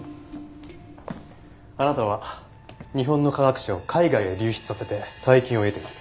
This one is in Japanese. あなたは日本の科学者を海外へ流出させて大金を得ている。